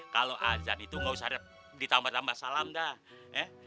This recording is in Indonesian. kalau ajar itu gak usah ditambah tambah salam dah